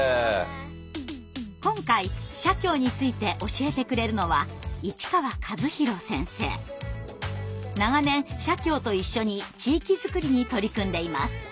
今回社協について教えてくれるのは長年社協と一緒に地域作りに取り組んでいます。